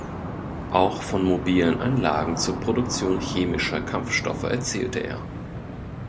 Auch von mobilen Anlagen zur Produktion chemischer Kampfstoffe erzählte er.